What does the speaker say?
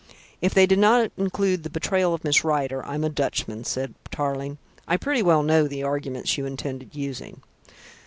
"If they did not include the betrayal of Miss Rider, I'm a Dutchman," said Tarling. "I pretty well know the arguments you intended using."